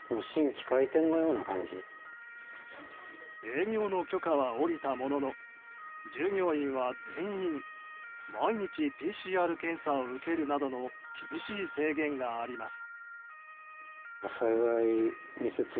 営業の許可は下りたものの従業員は全員毎日ＰＣＲ検査を受けるなどの厳しい制限があります。